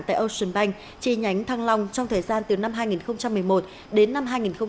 tại ocean bank chi nhánh thăng long trong thời gian từ năm hai nghìn một mươi một đến năm hai nghìn một mươi bảy